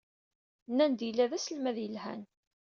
Nnan-d yella d aselmad yelhan.